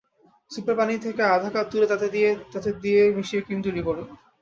স্যুপের পানি থেকে আধা কাপ তুলে তাতে দিয়ে মিশিয়ে ক্রিম তৈরি করুন।